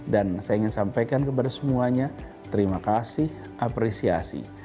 dan saya ingin sampaikan kepada semuanya terima kasih apresiasi